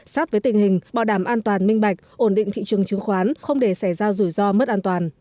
sát với tình hình bảo đảm an toàn minh bạch ổn định thị trường chứng khoán không để xảy ra rủi ro mất an toàn